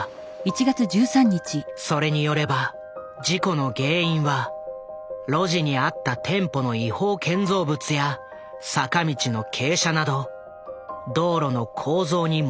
それによれば事故の原因は路地にあった店舗の違法建造物や坂道の傾斜など道路の構造に問題があったと指摘。